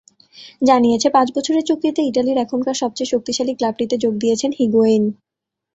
জানিয়েছে, পাঁচ বছরের চুক্তিতে ইতালির এখনকার সবচেয়ে শক্তিশালী ক্লাবটিতে যোগ দিয়েছেন হিগুয়েইন।